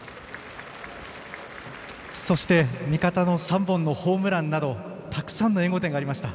そして、味方の３本のホームランなどたくさんの援護点がありました。